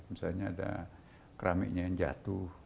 misalnya ada keramiknya yang jatuh